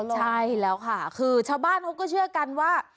ใช่แล้วค่ะคือชาวบ้านเขาก็เชื่อกันว่า